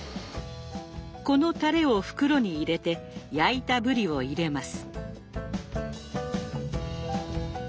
このたれを袋に入れて焼いたブリを入れます。